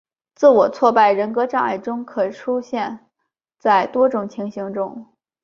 自我挫败人格障碍可出现在多种情形中。